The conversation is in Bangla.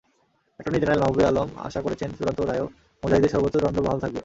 অ্যাটর্নি জেনারেল মাহবুবে আলম আশা করছেন, চূড়ান্ত রায়েও মুজাহিদের সর্বোচ্চ দণ্ড বহাল থাকবে।